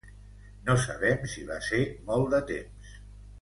No sabem si va ser molt de temps.